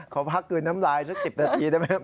ขอพักกลืนน้ำลายสัก๑๐นาทีได้ไหม